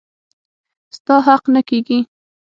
ستا حق نه کيږي.